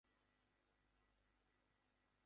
আমাদের দেখেই গালাগালি শুরু করল!